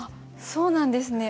そうなんですね